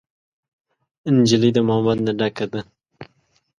نجلۍ د محبت نه ډکه ده.